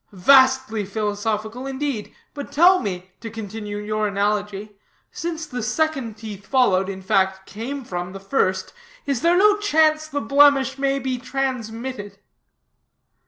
"Vastly philosophical, indeed, but tell me to continue your analogy since the second teeth followed in fact, came from the first, is there no chance the blemish may be transmitted?"